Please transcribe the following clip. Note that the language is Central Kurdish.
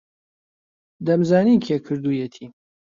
دەمزانی کێ کردوویەتی.